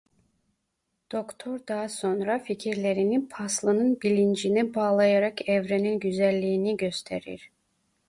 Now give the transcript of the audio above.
Doktor daha sonra fikirlerini Paslı'nın bilincine bağlayarak evrenin güzelliğini gösterir.